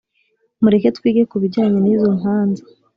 Mureke twige kubijyanye nizo mpanza